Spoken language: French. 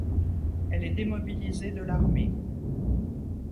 Elle est démobilisée de l'armée.